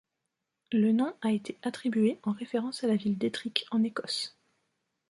Le nom a été attribué en référence à la ville d'Ettrick en Écosse.